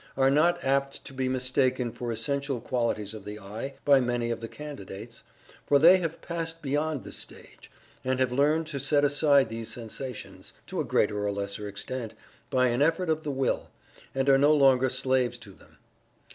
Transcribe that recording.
are not apt to be mistaken for essential qualities of the "I" by many of the Candidates, for they have passed beyond this stage, and have learned to set aside these sensations, to a greater or lesser extent, by an effort of the Will, and are no longer slaves to them.